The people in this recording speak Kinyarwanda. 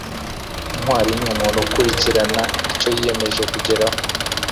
intwari ni umuntu ukurikirana icyo yiyemeje kugeraho